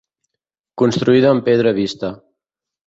Construïda amb pedra vista.